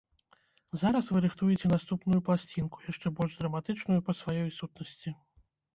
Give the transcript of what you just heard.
Зараз вы рыхтуеце наступную пласцінку, яшчэ больш драматычную па сваёй сутнасці.